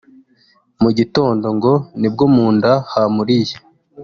Mu gitondo ngo nibwo mu nda hamuriye